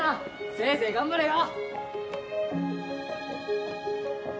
せいぜい頑張れよ！